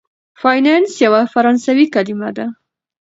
فینانس یوه فرانسوي کلمه ده.